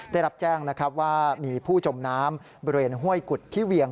ได้รับแจ้งนะครับว่ามีผู้จมน้ำบริเวณห้วยกุฎพี่เวียง